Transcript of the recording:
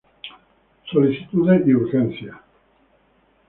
Solicitudes y urgencia.